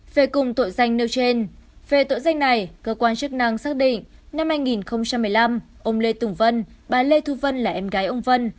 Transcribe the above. về cùng tội danh nêu trên về tội danh này cơ quan chức năng xác định năm hai nghìn một mươi năm ông lê tùng vân bà lê thu vân là em gái ông vân